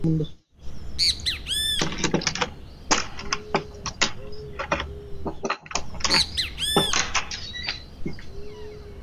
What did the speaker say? অতএব ইহা অনন্ত আত্মা ও অনন্ত ঈশ্বরের মধ্যে চিরন্তন সম্বন্ধ।